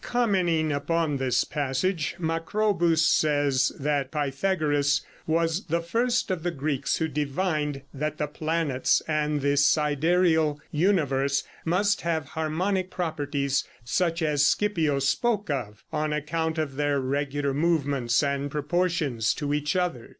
Commenting upon this passage, Macrobus says that Pythagoras was the first of the Greeks who divined that the planets and the sidereal universe must have harmonic properties such as Scipio spoke of, on account of their regular movements and proportions to each other.